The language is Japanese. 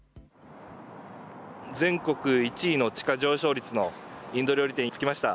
全国１位の地価上昇率のインド料理店に着きました。